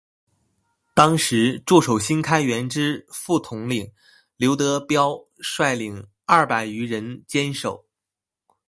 当时驻守新开园之副统领刘德杓率领二百余人坚守。